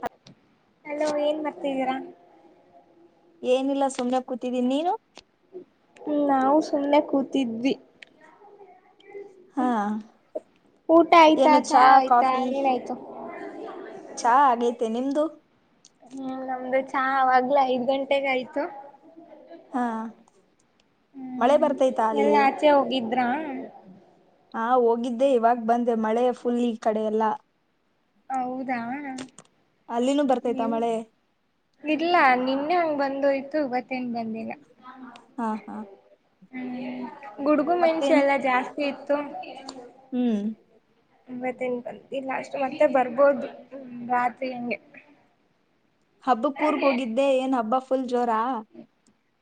ಹ ಅಲೋ ಏನ್ ಮಾಡರ್ತಿದ್ದೀರಾ ಏನಿಲ್ಲ ಸುಮ್ರ ಕೂತಿದ್ದೀನಿ ನೀನು. ಹ್ಮ್ ನಾವು ಸುಮ್ಮ್ನೆ ಕೂತಿದ್ವಿ. ಹಾ ಊಟ ಆಯ್ತಾ ಏನು ಚಾ ಆಯ್ತಾ ಕಾಫಿ ಏನಾಯ್ತು. ಚಾ ಆಗೇತೆ ನಿಮ್ದು. ಹ್ಮ್ ನಮ್ದು ಚಾ ಆವಾಗ್ಲೇ ಐದ್ ಗಂಟೆಗ ಆಯ್ತು. ಹಾ ಮಳೆ ಹ್ಮ್ ಬರ್ತೈತಾ ಅಲ್ಲಿ ಎಲ್ ಆಚೆ ಹೋಗಿದ್ರ. ಹಾ ಹೋಗಿದ್ದೆ ಇವಾಗ ಬಂದೆ ಮಳೆ ಫುಲ್ ಈ ಕಡೆ ಎಲ್ಲ. ಹೌದಾ ಅಲ್ಲಿನೂ ಬರ್ತೈತಾ ನೀವು ಮಳೆ ಇಲ್ಲ ನಿನ್ನೆ ಹಂಗ್ ಬಂದೋಯ್ತು. ಮತ್ತೇನ್ ಬಂದಿಲ್ಲ. ಹಾ ಹಾ ಹ್ಮ್ ಗುಡುಗು ಮೆಂಚು ಮತ್ತೇನ್ ಎಲ್ಲಾ ಜಾಸ್ತಿ ಇತ್ತು. ಹ್ಮ್ ಈವತ್ ಏನ್ ಭರ್ತಿ ಲಾಸ್ಟ್ ಮನೆ. ಮತ್ತೆ ಬರ್ಬೋದು ರಾತ್ರಿ ಹಂಗೆ. ಹಬ್ಬ ಕೂರ್ಕ್ ಹೋಗಿದ್ದೆ ಏನ್ ಹಬ್ಬ. ಫುಲ್ ಜೋರಾ.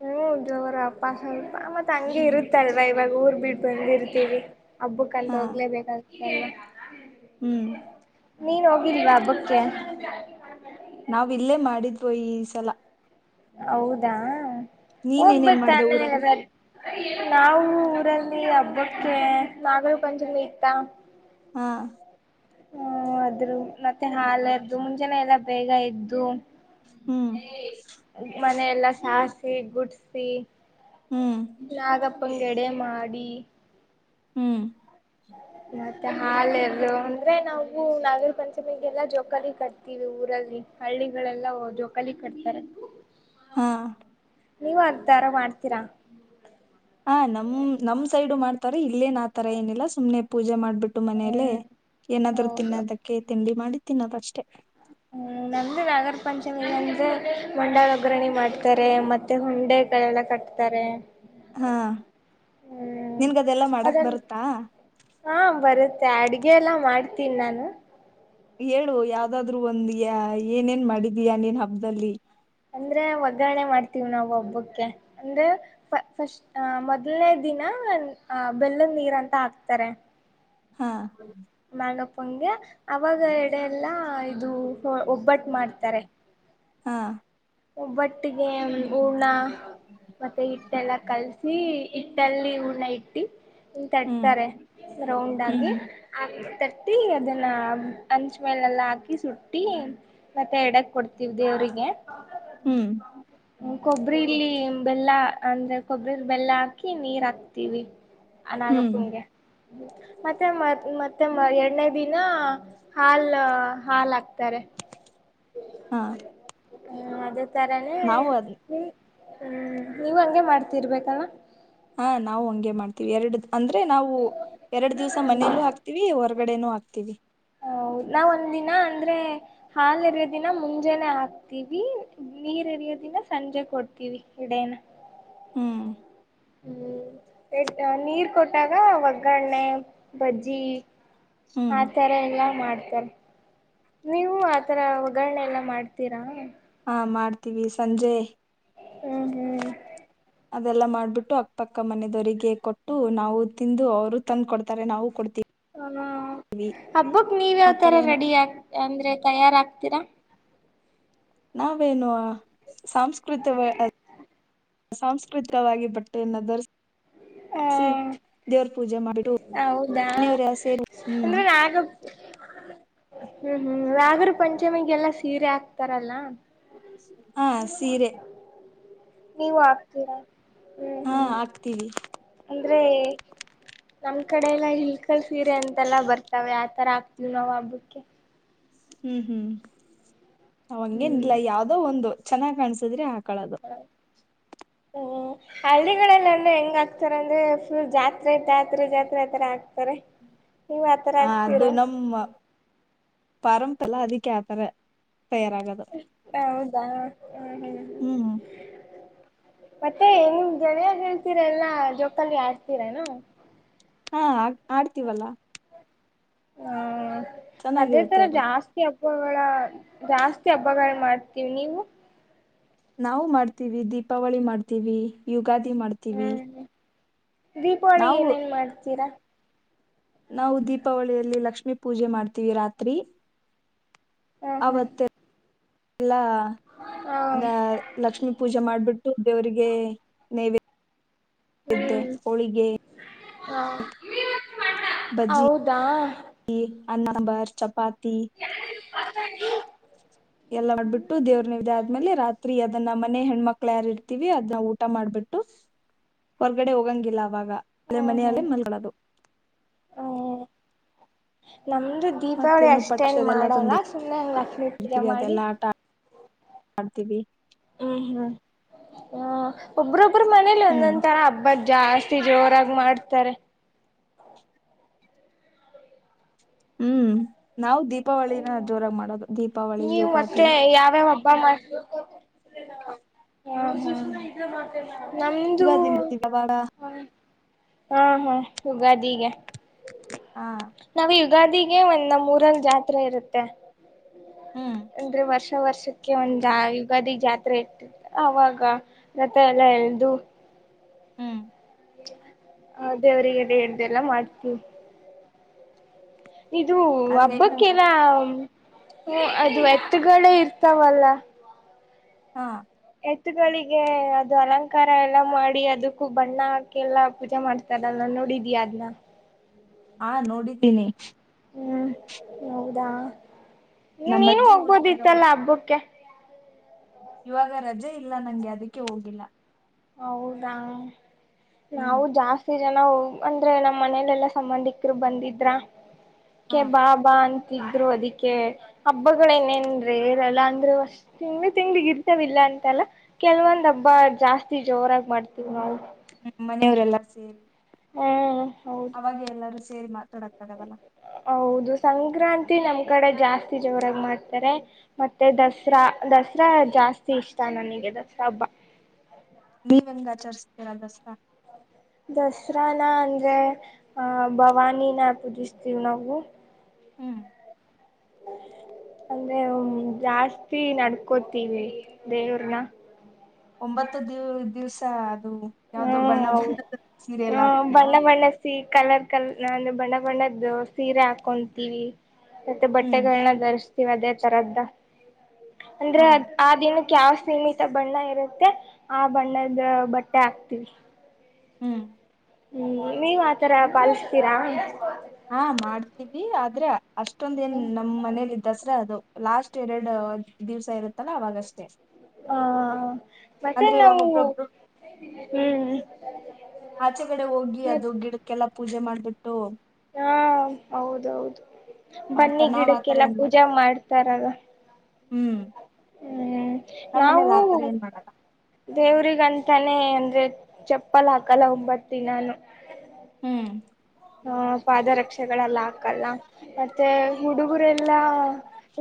ಹ್ಮ್ ಜೋರ ಅಪ್ಪ ಸ್ವಲ್ಪ ಮತ್ತತ್ ಹಂಗಗೆ ಇರುತ್ತಲ್ವಾ ಇವಾಗ ಊರ್ ಬಿಟ್ಟ ಬಂದಿರ್ತೀವಿ. ಹಬ್ಬ ಕಂತ ಹಾ ಹೋಗ್ಲೇಬೇಕಾಗ. [unintelligible] ಹ್ಮ್ ನೀನ್ ಹೋಗಿಲ್ವಾ ಹಬ್ಬಕ್ಕೆ. ನಾವ್ ಇಲ್ಲೇ ಮಾಡಿದ್ವೋ ಈ ಸಲ. ಹೌದಾ ನೀನ್ ಏನೇನ್ ಮಾಡ್ದ ಹೋಗ್ಬೇಕ್ತಾನೆ ಊರಲ್ಲಿ ರಾಜ್ ನಾವು ಊರಲ್ಲಿ ಹಬ್ಬಕ್ಕೆ ನಾಗರ ಪಂಚಮಿ ಇತ್ತ. ಹಾಂ ಹ್ಮ ಆದದ್ರು ಮತ್ತೆ ಹಾಲ್ ಮುಂಜಾನ ಎಲ್ಲಾ ಬೇಗ ಎದ್ದು. ಹ್ಮ್ [unintelligible] ಮನೆಯೆಲ್ಲ ಸಾರಸಿ ಗುಡ್ಸಿ ಹ್ಮ್ ಗ [unintelligible] ಒಂದ್ ಎಡೆ ಮಾಡಿ ಹ್ಮ್ ಮತ್ತೆ ಹಾಲ ಎರ್ದು ಅಂದ್ರೆ ನಾವು ನಾಗರ್ ಪಂಚಮಿಗೆಲ್ಲಾ ಜೋಕಲಿ ಕಟ್ತೀವಿ ಊರಲ್ಲಿ ಹಳ್ಳಿಗಳೆಲ್ಲಾ ಜೋಕಲಿ ಕಟ್ತಾರೆ. ಹಾ ನೀವು ಅತಾರ ಮಾಡ್ತೀರಾ. ತರಿ ಇಲ್ಲೇನ್ ಆ ತರ ಏನಿಲ್ಲ ಸು್ನೆ ಪೂಜ ಮಾಡ. ಬಿಟ್ಟು ಮನೇಲ್ಲ ಏನಾದ್ರು ತಿನ್ನೋದಕ್ಕೆ ತಿಂಡಿ ಮಾಡಿ ತಿನ್ನೋದಷ್ಟೇ. ಹ್ಮ ನಮ್ದು ನಾಗರ ಪಂಚಮಿ ಅಂದೆ ಮಂಡಲ್ ಒಗ್ಗರಣಿ ಮಾಡ್ತಾರೆ ಮತ್ತೆ ಹುಂಡೆಗಳೆಲ್ಲ ಕಟ್ತಾರೆ. ಹಾ ಹ್ಮ್ ನಿನ್ಗದೆಲ್ಲಾ ಮಾಡಕ್ ಅದನ್ನು ಬರುತ್ತಾ ಹಾ ಬರುತ್ತೆ ಅಡ್ಗೆ ಎಲ್ಲ ಮಾಡ್ತ ತಿನ್ನಾನು. ಹೇಳು ಯಾವ್ದಾದ್ರು ಒಂದ್ ಯ ಏನೇನ್ ಮಾಡಿದೀಯಾ ನೀನ್ ಹಬ್ಬದಲ್ಲಿ. ಅಂದ್ರೆ ಒಗ್ಗರಣೆ ಮಾಡ್ತ ವ್ ನಾವ ಒಬ್ಬಕ್ಕೆ ಅಂದ್ರೆ ಫಸ್ಟ್ ಅ ಮೊದಲ್ನೇ ದಿನ ಅ ಬೆಲ್ಲದ ನೀರ್ ಅಂತ ಹಾಕ್ತಾರೆ. ಹಾ [unintelligible] ಪಂಗೆ ಅವಾಗ ಎಡೆ ಎಲ್ಲಾ ಇದು ಒಬ್ಬಟ್ಟು ಮಾಡ್ತಾರೆ. ಹಾಂ. ಒ ಬಟ್ಟಿಗೆ ಊರಣ- ಮತ್ತೆ ಹಿಟ್ಟೆಲ್ಲ ಕಲ್ಸಿ ಹಟ್ಟಲ್ಲಿ ಊರ್ಣ ಇಟ್ಟಿ ಹ್ಮ್ ತಡ್ತಾರೆ ರೌಂಡ್ ಆಗಿ ಹ್ಮ್ ಹತ್ತಿ ಅದನ್ನ ಅಂಚ ಮೇಲೆ ಎಲ್ಲಾ ಹಾಕಿ ಸುಟ್ಟಿ ಮತ್ತೆ ಎಡಕ್ ಕೊಡ್ತವ್ ದೇವ್ರಿಗೆ ಹ್ಮ್ ಕೊಬ್ಬರಿ ಇಲ್ಲಿ ಬೆಲ್ಲ ಅಂದ್ರೆ ಕೊಬ್ಬರಿಲ್ ಬೆಲ್ಲ ಹಾಕಿ ನೀರ್ ಹಾಕ್ತಿೀವಿ ಹ್ಮ್ ಅನಾಗಪ್ಪೂಗೆ ಮತ್ತೆ ಮ ಮತ್ತೆ ಮ ಎರಡನೇ ದಿನ ಹಾಲ್ ಹಾಲ್ ಹಾಕ್ತಾರೆ ಹಾ ಹ್ಮ ಅದ ತಾರನೆ ನಾವು ಅದ್ ನೀ ಹ್ಮ್ ನೀವ್ ಹಂಗೆ ಮಾಡ್ತಿರ್ಬೇಕಲ್ಲ ಹಾ ನಾವು ಹಂಗೆ ಮಾಡ್ತೀವಿ ಎರಡು ಅಂದ್ರೆ ನಾವು ಎರಡು ದಿವ್ಸ ಮನೆಯಲ್ಲೂ ಹಾಕ್ತಿೀವಿ ಹೊರ್ ವಡೆನೂ ಹಾಕ್ತೀವಿ. ಹೌ ನಾವ್ ಒಂದ ದಿನ ಅಂದ್ರೆ ಹಾಾಲ ಎರಯೋದಿನ ಮುಂಜೆಾನನೆ ಹಾಕ್ತೀವಿ ನೀರ್ ಎರಿಯೋದಿನ ಸಂಜೆ ಕೊಡ್ತೀವಿ ಗಡೇನ ಹ್ಮ್ ಹ್ಮ್ [unintelligible] ನೀರ್ ಕೊಟ್ಟಾಗ ಒಗ್ಗರಣ್ಣೆ ಬಜ್ಜಿ ಹ್ಮ್ ಆತರ ಎಲ್ಲಾ ಮಾಡ್ತಾರೆ ನೀವು ಆತರ ಒಗ್ಗರಣೆ ಎಲ್ಲ ಮಾಡ್ತೀರಾ ಹ ಮಾಡ್ತೀವಿ ಸಂಜೆ ಹ್ಮ್ ಹ್ಮ್. ಅದೆಲ್ಲ ಮಾಡ್ಬಿಟ್ಟು ಅಕ್ಕಕ್ಕ ಮನದವರಿಗೆ ಕೊಟ್ಟು ನಾವು ತಿಂದು ಅವರು ತಂದು ಕೊಡ್ತಾರೆ ನಾವು ಕೊಡ್ತೀವಿ. ಹ ಹಬ್ಬಕ್ ನೀವ ಆತರ ಯಾವತರ ಏನೋ ರೆಡಿ ಆ ಅಂದ್ರೆ ತಯಾರ ಆಕ್ತೀರಾ. ನಾವೇನು ಸಾಂಸ್ಕೃತ ಸಾಂಸ್ಕೃತಿಕವಾಗಿ ಬಟ್ಟೆಯನ್ನು ಧರಿಸ ಹ ಸಿ ದೇವ್ರ್ ಹೌದಾ ಸೇರಿ ಹ್ಮ್ ಅಂದ್ರೆ ನಾನು. ಹ್ಮ್ ಹ್ಮ್ ನಾಗರ್ ಪಂಚಮಿಗೆಲ್ಲಾ ಸೀರೆ ಹಾಕ್ತಾರಲ್ಲ ಹಾ ಹ ಸೀರೆ [inaudible] ನೀವು ಹಗ್ತೀರಾ. ಹಾ ಆಗ್ತೀವಿ. ಅಂದ್ರೆ ನಮ ಕಡೆೆಲ್ಲ ಇಲ್ಲ ಲ್ ಸೀರೆ ಅಂತೆಲ್ಲ ಬರ್ತ ತಾವ್ ಯತರ ಆಗ್ತಿವಿ ನಾವು ಹಬ್ಬಕ್ಕೆ. ಹ್ಮ್ ಹ್ಮ್. ಅವ ಹಂಗೇನ್ ಹ್ಮ್ ಇಲ್ಲ ಯಾವವ್ದೋ ಒಂದು. ಚನ್ನ್ ಕಾಣಸಿದ್ರಿ ಹಾಕ್ ಕಳದು ಹ್ಮ್ ಹಳ್ಳಿಗಳಲ್ಲ ಅಂದ್ರೆ ಹೆಂಗ ಆಕ್ತಾರ ಅಂದ್ರೆ ಫುಲ್ ಜಾತ್ರೆ ಜಾತ್ರೆ ಜಾತ್ರೆ ಆತರ ಆಗ್ತಾರೆ. ನೀವ್ ಆಥರ ಆ ಆಗ್ತೀರ. ಪರಂಪೆಲ್ಲಾ ಅದಕ್ಕೆ ಆತರ. ತಯಾರಾಗದು ಹೌದಾ ಹ್ಮ್ ಹ್ಮ್. ಮತ್ತೆ ನಿಮ್ ಜನಯ ಹೇಳ್ತೀರ ಎಲ್ಲಾ ಜೋಕಲ್ಲಿ ಆಡ್ತೀರಾನ. ಹಾ ಆ ಆಡ್ತೀವಲ್ಲಾ. ಹಾ. ಅದೇ ಚೆನ್ನಾಗಿರುತ್ತೆ ತರ ಅದು. ಜಾಸ್ತಿ ಆಗ್ ಹಬ್ಬಗಳ ಜಾಸ್ತಿ ಹಬ್ಬಗಳ ಮಾಡ್ತೀವಿ ನೀವು. ನಾವು ಮಾಡ್ತೀವಿ ದೀಪಾವಳಿ ಮಾಡ್ತೀವಿ ಯುಗಾದಿ ಮಾಡ್ತೀವಿ. ಹ್ಮ್ ದೀಪಾವಳಿ ನಾವು ಏನೇನ್ ಮಾಡ್ತೀರಾ. ನಾವು ದೀಪಾವಳಿಯಲ್ಲಿ ಲಕ್ಷ್ಮೀ ಪೂಜೆ ಮಾಡ್ತೀವಿ ರಾತ್ರಿ ಹ್ಮ ಹಾ. ಎಲ್ಲಾ. ಹಾ ಲಕ್ಷ್ಮೀ ಪೂಜೆ ಮಾಡ್ಬಿಟ್ಟು ದೇವರಿಗೆ ನೈವೇ ಇದ್ದೆ ಹ್ಮ್ ಹೋಳಿಗೆ ಹಾ ಬಜ್ಜಿ. ಹೌದಾ ಅನ್ನ ಬಾರ್ ಚಪಾತಿ. [unintelligible] ಎಲ್ಲ ಮಾಡ್ಬಿಟ್ಟು ದೇವ್ರನಿದೆ ಆದ್ಮೇಲೆ ರಾತ್ ತ್ರೀ ಅದನ್ನ ಮನೆ ಹೆಣ್ಮಕ್ಳ ಯಾರ್ ಇರ್ತಿವಿ ಅದನ್ನ ಊಟ ಮಾಡ್ಬಿಟ್ಟು ಹೊರ್ಗಡೆ ಹೋಗಂಗಿಲ್ಲ ಅ ವಾಗ ಅಲೆ ಹ್ಮ್ ಮನೆಲ್ಲೇ ಹ್ಮ್ ಮಲ್ಕಳದು. ಹ್ಮ್ ನಮ್ದು ದೀಪಾವಳಿ ಮತ್ತೇನು ಪಟಾಕ್ಷಿ ಅಷ್ಟೇನ್ ಅದೆಲ್ಲಾ ಮಾಡಲ್ಲ ಸುಮ್ಮನೆ ಹಂಗ್ ಲಕ್ಷ್ಮೀ ಪೂಜೆ ತಂದಿರ್ತೀವಿ ಮಾಡಿ. ಅದೆಲ್ಲಾ ಆಟ ಆಡ್ತೀವಿ ಹ್ಮ್ ಹ್ಮ್ ಹ ಒಬ್ರ್ ಬ್ ಇಬ್ಬರ ಮನೇಲಿ ಹ್ಮ್. ಒಂದೊಂಥರ ಹಬ್ಬ ಜಾಸ್ತಿ ಜೋರಾಗಿ ಮಾಡ್ತಾರೆ ಹ್ಮ್ ನಾವು ದೀಪಾವಳಿನ ಜೋರ ಮಾಡೋದು ದೀಪಾವಳಿ ಯುಗಾದಿ ಬ ಹ ನಮ್ಮದುೂ ಯುಗಾದಿ ಮಾಡ್ತೀವಿ ಅವಾಗ ಹಾ ಹಾ ಹಾ ಯುಗಾದ ಈಗ ಹಾ ಗಾದಿಗೆ ಒಂದ ಮೂೂರ ಜಾತ್ರೆ ಇರುತ್ತೆ ಹ್ಮ್ ಅಂದ್ರೆ ವರ್ಷ ವರ್ಷಕ್ಕೆ ಒಂದ ಯುಗಾದಿ ಜಾತ್ರೆ ಇಟ್ಟ ಅವಾಗ ಮತ್ತ ಎಲ್ಲ ಎಲ್ದು ಹ್ಮ್ ಹ ದೇವ್ರರಿಗೆ ಹೇಳ್ದಲ್ಲ ಮಾಡ್ತಿೀವಿ ಇದು ಅಲ್ಲೇನು ಹಬ್ಬಕ್ಕೆಲ್ಲ ಹ್ಮ ಅದು ಎತ್ತುಗಳೇ ಇರ್ತಾವಲ್ಲ ಹಾ ಎತ್ತುಗಳಿಗೆ ಅದು ಅಲಂಕಾರ ಎಲ್ಲಾ ಮಾಡಿ ಅದಕ್ಕೂ ಬಣ್ಣ ಹಾಕೆಲ್ಲಾ ಪೂಜೆ ಮಾಡ್ತಾರಲ್ಲ ನೋಡಿದ್ಯಾ ಅದ್ನ ಹಾ ನೋಡಿದ್ದೀನಿ ಹ್ಞ ಹೌದಾ ನಮ್ಮ ನೀನು ಅಜ್ಜಿ ಊರಿಗೆ ಹೋದೆ ಹೋಗ್ಬೋದಿತ್ತಲ್ಲಾ ಹಬ್ಬಕ್ಕೆ ಇವಾಗ ರಜೆ ಇಲ್ಲ ನಂಗೆ ಅದಕ್ಕೆ ಹೋಗಿಲ್ಲ ಹೌದಾ ಹ್ಮ್ ನಾವು ಜಾಸ್ತಿ ಜನ ಅಂದ್ರೆ ನಮ್ಮ್ ಮನಲೆೆಲ್ಲಾ ಸಂಬಂಧಿಕರು ಬಂದಿದ್ರ ಹಾ ಕೆ ಬಾ ಬಾ ಅಂತ ಿದರು ಅದಿಕ್ಕೆ ಹಬ್ಬಗಳೇನೇನ್ರ ರಲ್ಲ ಅಂದ್ರರು ಅಷ್ಟ ತಿಂಗಳ ತಿಂಗಳಿಗ್ ಇರ್ತವಿಲ್ಲ ಅಂತಲ್ಲ ಕೆಲವೊಂದ್ ಹಬ್ಬ ಜಾಸ್ತಿ ಜೋರಾಗಿ ಮಾಡ್ತೀವಿ ನಾವು ಮನೆಯವರೆಲ್ಲ ಸೇರಿ [unintelligible] ಅವಾಗ ಎಲ್ಲರೂ ಸೇ ಹೇ ಮಾತಾಡಕ್ತಾಗದಲ್ಲ ಹೌದು ಸಂಕ್ರಾಂತಿ ನಮ್ ಕಡೆ ಜಾಸ್ತಿ ಜೋರಾಗಿ ಮಾಡ್ತಾರೆ ಮತ್ತೆ ದಸರಾ ದಸರಾ ಜಾಸ್ತಿ ಇಷ್ಟ ನನಗೆ ದಸರಾ ಹಬ್ಬ ನೀವೆಂಗ ಆಚರಿಸ್ತೀರಾ ದಸರಾ ದಸರಾನ ಅಂದ್ರೆ ಅ ಭವಾನಿನ ಪೂಜಿಸ್ತೀವಿ್ ನಾವು ಹ್ಮ್ ಅಂದ್ರೆ ಜಾಸ್ತಿ ನಡ್ಕೋತೀವಿ ದೇವ್ರ್ ನ ಒಂಬತ್ತು ದಿವ್ ದಿವ್ಸ ಹ್ಮ ಯಾವ್ದೋ ಬಣ್ಣ ಹೌ ಬಣ್ಣದ ಸೀರೆ ಎಲ್ಲ ಹ ಹಾಕ್ತೀಯಾ ಬಣ್ಣ ಬಣ್ಣ ಸಿ ಕಲರ್ ಕಲ್ ನಂದು ಬಣ್ಣ ಬಣ್ಣ ಇದು ಸೀರೆ ಹಾಕೊಂತೀವಿ ತಟೆ ಹ್ಮ್ ಬಟ್ಟೆಗಳನ್ನ ದರ್ಸ್ ನೀವ್ ಅದೇ ತರದ್ದ. ಅಂದ್ರೆ ಹಾ ಅ ಆ ದಿನ ಯಾವ್ ಸೀಮಿತ ಬಣ್ಣ ಇರುತ್ತೆ ಆ ಬಣ್ಣದ ಬಟ್ ಟೆ ಹಾಕ್ತಿವಿ. ಹ್ಮ್ ಹ್ಮ್ ನೀವ್ ಆತರ ಪಾಲುಸ್ತೀರಾ. ಹಾ ಮಾಡ್ತೀವಿ ಆದ್ರೆ ಅಷ್ಟ್ ಇಷ್ಟೊಂದ ಏನ್ ನಮ್ಮ್ನೇಲಿ ದಸ್ರ ಅದು ಲಾಸ್ಟ್ ಎರಡು ದಿವ್ಸ ಇರುತ್ತಲ್ಲ ಅವಾಗಷ್ಟೇ ಹಾ ಮತ್ತೆ ಅಂದ್ರೆ ಇವಾಗ ನಾವು ಒಬ್ರೊಬ್ರು ಹ್ಮಾ ಆಚೆ ಕಡೆ ಹೋಗಿ ಅದು ಗಿಡಕ್ಕೆಲ್ಲಾ ಪೂಜೆ ಮಾಡ್ ಹಾ ಹೌದೌದು ಬನ್ನಿ ಮಾಡ್ತಾರ ನಾವ್ ಆತರ ಗಿಡಕ್ಕೆಲ್ಲಾ ಏನ್ ಪೂಜಾ ಮಾಡಲ್ಲ ಮಾಡ್ತಾರಲ್ಲ ಹ್ಮ್ ಹ್ಮ್ ನಮ್ ನಾವು ಮನೇಲಿ ಆತರ ಏನ್ ಮಾಡಲ್ಲ ದೇವ್ರಗಂತಾನೆ ಅಂದ್ರೆ ಚಪ್ಪಲ್ ಹಾಕಲ್ಲ ಒಂಬತ್ತ ದಿನಾನು ಹ್ಮ್ ಹ ಪಾದರಕ್ಷೆಗಳೆಲ್ಲ ಹಾಕ್ ಕಲ್ಲ. ತ್ತೆ ಹುಡುಗ್ ಹುಡುಗರ್ ಎಲ್ಲಾ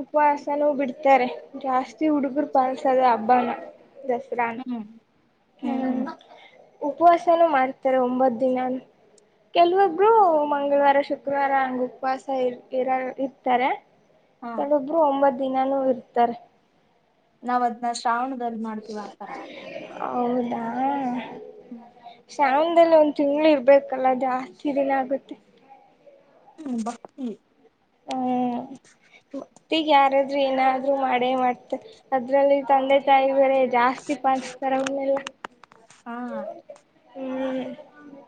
ಉಪವಾಸನೂ ಬಿಡ್ತಾರೆ ಜಾಸ್ತಿ ಹುಡುಗರು ಪಾಲ್ [unintelligible] ದಸರಾನ ಹ್ಮ್ ಹ್ಮ್ ಉಪವಾಸನೂ ಮಾಡ್ತಾರೆ ಒಂಬತ್ ದಿನನು ಕೆಲವಬ್ ಹ್ಮ್ ಮಂಗಳವಾರ ಶುಕ್ರವಾರ ಹಂಗ ಉಪವಾಸ ಇ ಇರ ಲ್ ಇರ್ತಾರೆ ಹಾ ಕೆಲ್ಲೊಬ್ರು ಒಂಬತ್ ದಿನಾನೂ ಇರ್ತಾರೆ. ನಾವ್ ಅದ್ನ ಶ್ರಾವಣ್ ದಲ್ ಮಾಡ್ತೀವ ಆತರ. ಹೌದಾ. ಹ್ಮ್. ಶ್ರಾವಣದಲ್ಲಿ ಒಂದ್ ತಿಂಗ್ಳು ಇರ್ಬೇಕಲ್ಲಾ ಜಾಸ್ತಿ ದಿನಾ ಆಗುತ್ತೆ. ಹ್ಮ್ ಬಾ ಹ್ಞೂ. ಹಾ. ಮತ್ತಿಗ ಯಾರಾದ್ರು ಏನಾದ್ರು ಮಾಡೇ ಮಾಡ್ತಾರೆ ಅದ್ರಲ್ಲಿ ತಂದೆ ತಾಯಿ ಬರ ಜಾಸ್ತಿ ಪಾಲಾಸ್ತಾರ ಅವನ್ನೆಲ್ಲ. ಹಾ. ಹ್ಮ್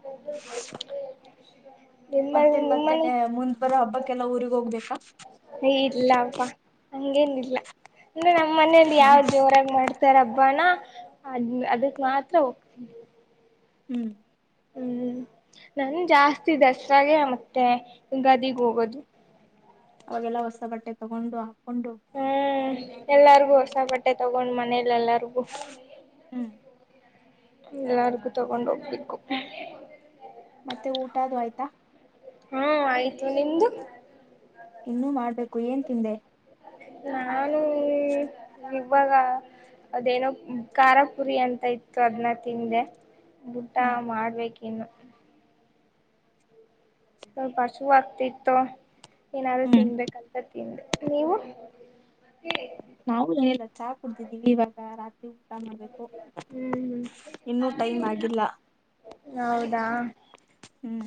[inaudible] ನಿಮ್ಮಲ್ಲಿ ಮತ್ತೇನ್ ನಿಮ್ಮನೆ ಮತ್ತೇನೆ ಮುಂದ್ ಬರ ಹಬ್ಬಕ್ಕೆಲ್ಲ ಊರಿಗ್ ಹೋಗ್ಬೇಕಾ. ಹಂಗೇನಿಲ್ಲಾ. ಅಂದ್ರೆ ನಮ್ಮನೇಲಿ ಯಾವ್ ಜೋರಾಗಿ ಮಾಡ್ತಾರ ಹಬ್ ಬಣ ಅ ಅದಕ್ ಮಾತ್ರ ಹೋಗ್ ಹ್ಮ ಹ್ಮ್ ಹ್ಮ್ ನನ್ ಜಾಸ್ತಿ ದಸ್ರಾಗೆ ಮತ್ತೆ ಯುಗಾದಿಗ್ ಹೋಗದು. ಅವಾಗೆಲ್ಲಾ ಹೊಸ ಬಟ್ಟೆ ತಗೊಂಡು ಅ ಕೊಂಡು. ಎಲ್ಲಾರ್ಗು ಹೊಸ ಬಟ್ಟೆ ತಗೊಂಡ್ ಮನೇಲ್ ಎಲ್ಲಾರ್ಗು. ಹ್ಮ್ ಎಲ್ಲಾರ್ಗು ತಗೊಂಡ್ ಹೋಗ್ಬೇಕು. ಮತ್ತೆ ಊಟಾದು ಆಯ್ತಾ. ಹಾ ಆಯ್ತು ನಿಮ್ದು. ಇನ್ನೂ ಮಾಡ್ಬೇಕು ಏನ್ ತಿಂದೆ. ಹ್ಮ್ ಇವಾಗ ಅದೇನೋ ಖಾರಾಪುರಿ ಅಂತ ಇತ್ತು ಅದ್ನಾ ತಿಂದೆ. ಊಟ ಹ್ಮ್ ಮಾಡ್ಬೇಕ್ ಇ ಇನ್ನು ಸ್ವಲ್ಪ ಹಶುವಾಗ್ತಿತ್ತು. ಏನಾದ್ರು ಹ್ಮ್ ತಿನ್ಬೇಕಲ್ ಪ್ರತಿಂದೇ ನೀವು. ನಾವು ಏನಿಲ್ಲ ಚಾ ಕುಡ್ತೀವ್ ದೀವಿ ಇವಗ ರಾತ್ರಿ. ಮಾಡ್ಬೇಕು ಹ್ಮ್ ಇನ್ನೂ ಟೈಮ್ ಹ್ಮ್ ಆಗಿಲ್ಲ ನೌದಾ. ಹ್ಮ್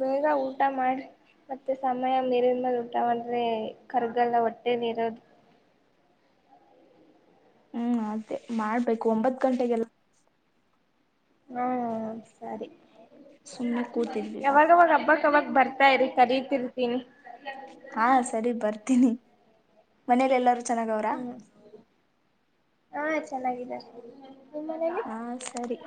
ಬೇಗಾ ಊಟ ಮಾಡ್ರಿ ಮತ್ತೆ ಸಮಯ ಮೀರಿದ್ ಮೇಲೆ ಊಟ ಮಾಡಿದ್ರೆ ಕರ್ಗಲ್ಲಾ ಹೊಟ್ಟೆಲ್ ಇರೋದು. ಹ್ಮ್ ಅದೇ ಮಾಡ್ಬೇಕು ಒಂಬತ್ ಗಂಟೆಗೆಲ್ಲಾ. ಹು ಸರಿ. ಸುಮ್ನೆ ಕುತ್ತಿದ್ವಿ ಬಾಕು. ಯಾವಾಗವಾಗ ಹಬ್ಬಕ್ ಅವಾಗ ಬರ್ತಾ ಇರಿ ಕರಿತಿರ್ತೀನಿ. ಹಾ ಸರಿ ಬರ್ತೀನಿ ಮನೇಲ್ ಎಲ್ಲಾರು ಚೆನ್ನಾಗೌರ. ಹ್ಮ್ ಹಾ ಚೆನ್ನಾಗಿದ್ದಾರೆ. ನಿಮ್ ಮನೇಲಿ. ಹಾ ಸರಿ.